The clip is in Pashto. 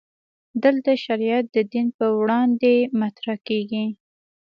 دلته شریعت د دین پر وړاندې مطرح کېږي.